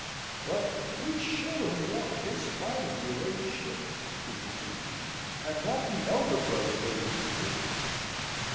"But we should have won, in spite of your ladyship," he continued, "had not the elder brother made his appearance.